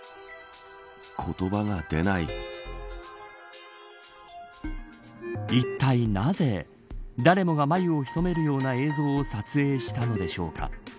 いったいなぜ誰もが眉をひそめるような映像を撮影したのでしょうか。